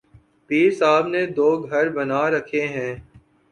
پیر صاحب نے دوگھر بنا رکھے ہیں۔